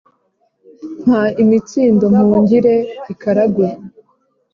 mpa imitsindo mpungire ikaragwe